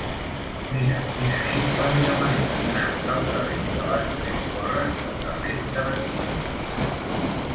Mira'm quina és la millor manera d'anar del carrer de les Tres Torres al carrer de Besiers.